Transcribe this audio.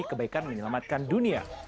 demi kebaikan menyelamatkan dunia